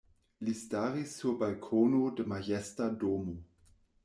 Li staris sur balkono de majesta domo.